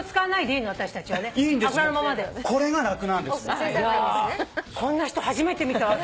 いやこんな人初めて見た私。